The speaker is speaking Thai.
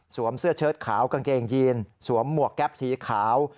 เสื้อเชิดขาวกางเกงยีนสวมหมวกแก๊ปสีขาว